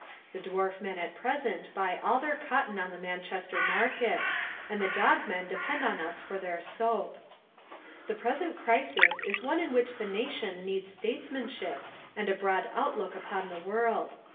The Dwarf Men at present buy all their cotton on the Manchester market and the Dog Men depend on us for their soap. "The present crisis is one in which the nation needs statesmanship and a broad outlook upon the world.